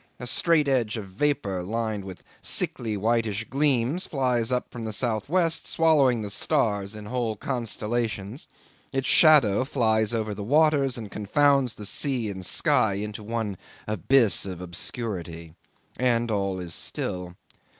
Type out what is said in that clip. A straight edge of vapour lined with sickly whitish gleams flies up from the southwest, swallowing the stars in whole constellations; its shadow flies over the waters, and confounds sea and sky into one abyss of obscurity. And all is still.